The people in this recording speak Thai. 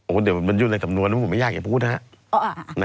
โอ้เดี๋ยวมันอยู่ในกำนวณผมไม่อยากจะพูดนะฮะ